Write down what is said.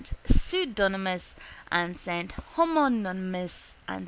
Pseudonymous and S. Homonymous and S.